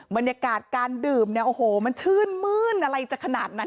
บรรยากาศการดื่มเนี่ยโอ้โหมันชื่นมื้นอะไรจะขนาดนั้น